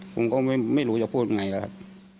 ผมก็ไม่รู้จะพูดยังไงแล้วครับ